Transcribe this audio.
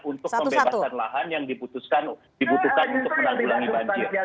untuk pembebasan lahan yang dibutuhkan untuk menanggulangi banjir